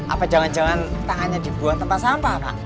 apa jangan jangan tangannya dibuang tempat sampah pak